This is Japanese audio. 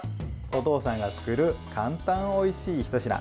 お父さんが作る簡単おいしいひと品